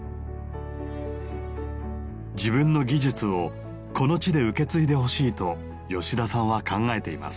自分の技術をこの地で受け継いでほしいと吉田さんは考えています。